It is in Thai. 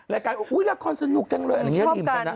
รายการอุ๊ยละครสนุกจังเลยอันนี้เขาหยิมกันนะ